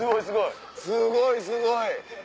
すごいすごい！